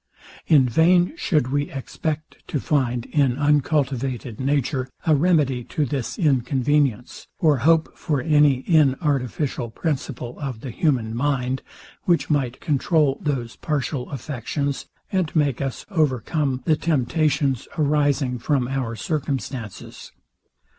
In vain should we expect to find, in uncultivated nature, a remedy to this inconvenience; or hope for any inartificial principle of the human mind, which might controul those partial affections, and make us overcome the temptations arising from our circumstances.